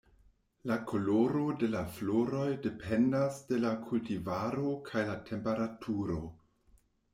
La koloro de la floroj dependas de la kultivaro kaj la temperaturo.